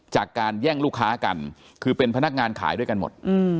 จากการแย่งลูกค้ากันคือเป็นพนักงานขายด้วยกันหมด